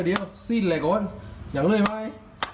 เดี๋ยวสิ้นเลยก่อนยังเลยไหม